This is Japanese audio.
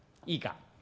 いいか？